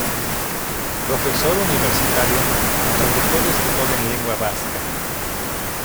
Profesor universitario, traductor y escritor en lengua vasca.